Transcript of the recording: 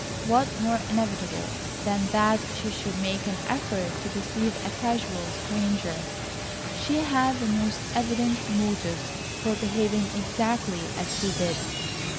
What more inevitable than that she should make an effort to deceive a casual stranger? She had the most evident motives for behaving exactly as she did.